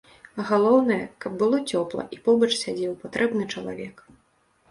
Галоўнае, каб было цёпла і побач сядзеў патрэбны чалавек!